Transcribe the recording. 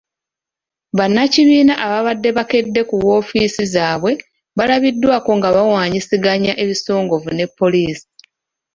Bannakibiina ababadde bakedde ku woofiisi zaabwe balabiddwako nga bawanyisiganya ebisongovu ne poliisi.